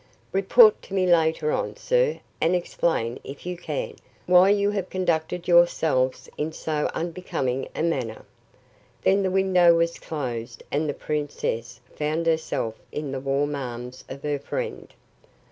Report to me later on, sir, and explain, if you can, why you have conducted yourselves in so unbecoming a manner." Then the window was closed and the princess found herself in the warm arms of her friend.